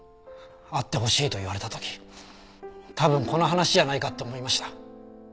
会ってほしいと言われた時多分この話じゃないかって思いました。